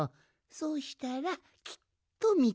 そしたらきっとみつかるぞい。